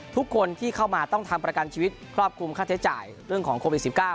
ทุกคนที่เข้ามาต้องทำประกันชีวิตครอบคลุมค่าใช้จ่ายเรื่องของโควิด๑๙